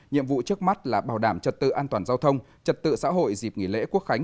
nhiệm vụ trước mắt là bảo đảm trật tự an toàn giao thông trật tự xã hội dịp nghỉ lễ quốc khánh